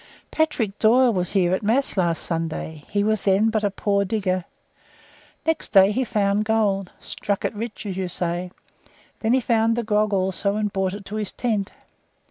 Patrick Doyle was here at Mass last Sunday; he was then a poor digger. Next day he found gold, 'struck it rich,' as you say; then he found the grog also and brought it to his tent.